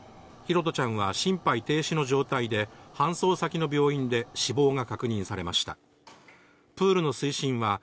拓杜ちゃんは心肺停止の状態で搬送先の病院で死亡が確認されました。